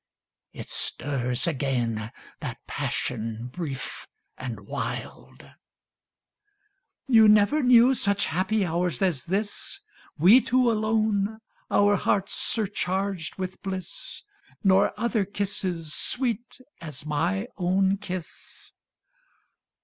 (It stirs again, that passion brief and wild.) You never knew such happy hours as this, We two alone, our hearts surcharged with bliss, Nor other kisses sweet as my own kiss?